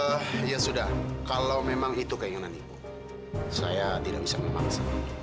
oh ya sudah kalau memang itu keinginan ibu saya tidak bisa memaksa